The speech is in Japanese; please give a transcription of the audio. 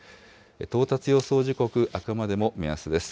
到達予想時刻、あくまでも目安です。